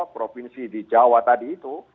provinsi di jawa tadi itu